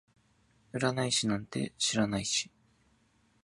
占い師なんて知らないし